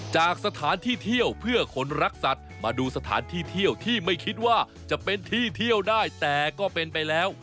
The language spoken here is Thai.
จากสถานที่เที่ยวเพื่อคนรักสัตว์มาดูสถานที่เที่ยวที่ไม่คิดว่าจะเป็นที่เที่ยวได้แต่ก็เป็นไปแล้ว